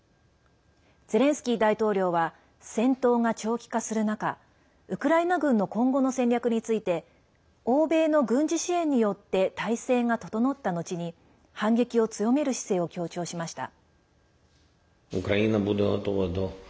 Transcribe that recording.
ゼレンスキー大統領は戦闘が長期化する中ウクライナ軍の今後の戦略について欧米の軍事支援によって体制が整ったのちに反撃を強める姿勢を強調しました。